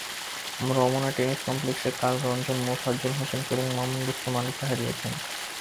Ramna tennis কমপ্লেক্সে কাল রঞ্জন মোফাজ্জল হোসেনকে এবং মামুন রুস্তম আলীকে হারিয়েছেন।